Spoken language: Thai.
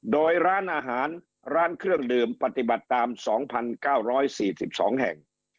โดยร้านอาหารร้านเครื่องดื่มปฏิบัติตาม๒๙๔๒แห่ง